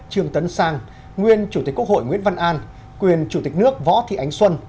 trương tấn sang nguyên chủ tịch quốc hội nguyễn văn an quyền chủ tịch nước võ thị ánh xuân